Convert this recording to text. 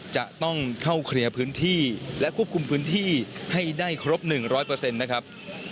จะต้องเข้าเคลียร์พื้นที่และควบคุมพื้นที่ให้ได้ครบหนึ่งร้อยเปอร์เซ็นต์นะครับ